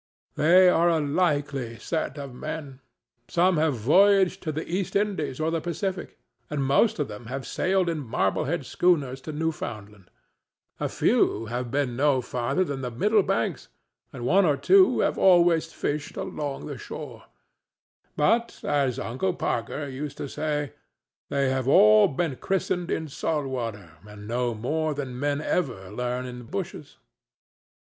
They are a likely set of men. Some have voyaged to the East Indies or the Pacific, and most of them have sailed in Marblehead schooners to Newfoundland; a few have been no farther than the Middle Banks, and one or two have always fished along the shore; but, as Uncle Parker used to say, they have all been christened in salt water and know more than men ever learn in the bushes.